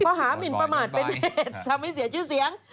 หามินประมาทเป็นเหตุทำให้เสียชื่อเสียง